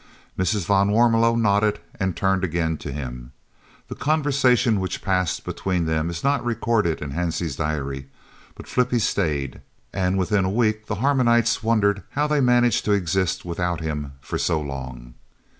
Mrs. van Warmelo nodded and turned again to him. The conversation which passed between them is not recorded in Hansie's diary, but Flippie stayed, and within a week the Harmonites wondered how they had managed to exist without him for so long.